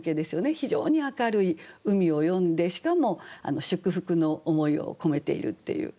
非常に明るい海を詠んでしかも祝福の思いを込めているっていう。